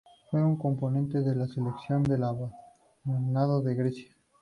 Fue un componente de la Selección de balonmano de Grecia.